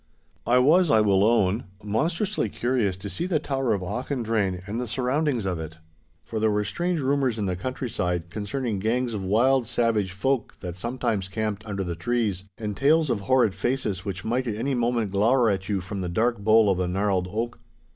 I was, I will own, monstrously curious to see the tower of Auchendrayne and the surroundings of it; for there were strange rumours in the countryside concerning gangs of wild, savage folk that sometimes camped under the trees, and tales of horrid faces which might at any moment glower at you from the dark bole of a gnarled oak.